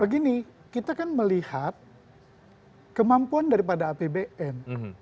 begini kita kan melihat kemampuan daripada apbn